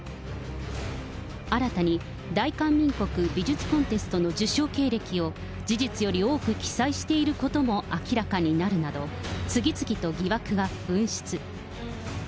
新たに大韓民国美術コンテストの受賞経歴を、事実より多く記載していることも明らかになるなど、次々と疑惑が噴出。